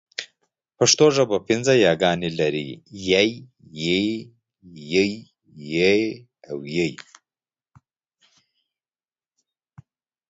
پښتو ژبه پینځه یاګانې لري: ی، ي، ئ، ې او ۍ